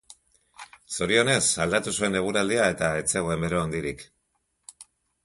Zorionez, aldatu zuen eguraldia eta ez zegoen bero handirik.